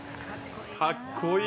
かっこいい。